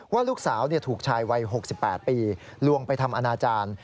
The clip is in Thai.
ว่าลูกสาวถูกชายวัย๖๘ปีลวงไปทำอนาจารย์